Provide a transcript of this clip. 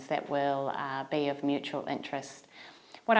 thông báo về nâng cao